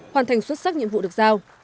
hoàn thành xuất sắc nhiệm vụ được giao